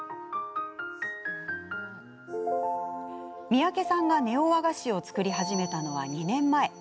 三宅さんがネオ和菓子を作り始めたのは、２年前。